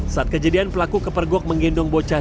saat kejadian pelaku kepergok menggendong bocah